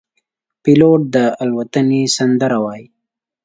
پیلوټ د الوتنې سندره وايي.